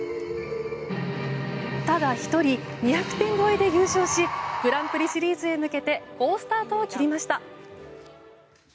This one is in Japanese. ただ１人、２００点超えで優勝しグランプリシリーズへ向けて好スタートを切りました。